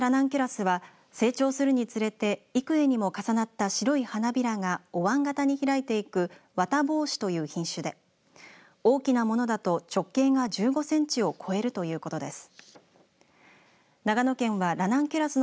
受賞したラナンキュラスは成長するにつれて幾重にも重なった白い花びらがおわん形に開いていく綿帽子という品種で大きなものだと直径が１５センチを超えるということです。